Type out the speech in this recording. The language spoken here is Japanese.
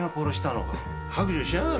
白状しやがれ。